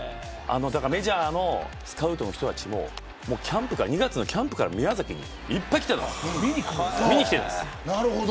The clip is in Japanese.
メジャーのスカウトの人たちも２月のキャンプから宮崎にいっぱい来ていました。